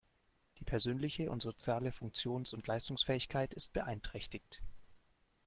Die persönliche und soziale Funktions- und Leistungsfähigkeit ist beeinträchtigt.